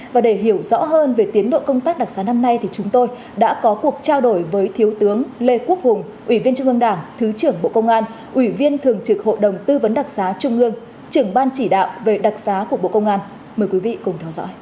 và để hiểu rõ hơn về tiến độ công tác đặc xá năm nay thì chúng tôi đã có cuộc trao đổi với thiếu tướng lê quốc hùng ủy viên trung ương đảng thứ trưởng bộ công an ủy viên thường trực hội đồng tư vấn đặc xá trung ương trưởng ban chỉ đạo về đặc xá của bộ công an mời quý vị cùng theo dõi